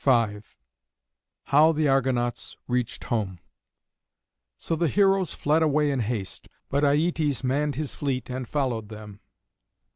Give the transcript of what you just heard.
V HOW THE ARGONAUTS REACHED HOME So the heroes fled away in haste, but Aietes manned his fleet and followed them.